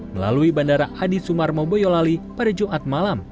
melalui bandara adi sumarmo boyolali pada jumat malam